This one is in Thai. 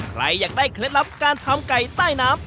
ใครอยากได้เคล็ดลับการทำไก่ใต้น้ำ